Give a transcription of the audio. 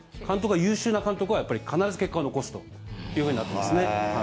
優秀な監督はやっぱり必ず結果を残すというふうになってますね。